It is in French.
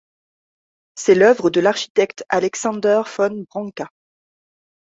C'est l'œuvre de l'architecte Alexander von Branca.